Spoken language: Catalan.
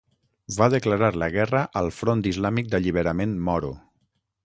Va declarar la guerra al Front Islàmic d'Alliberament Moro.